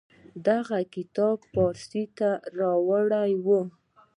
دغه کتاب پارسي ته اړولې و.